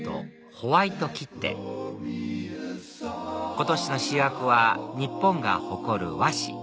今年の主役は日本が誇る和紙